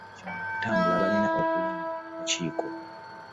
Kino okutambula balina okulonda akakiiko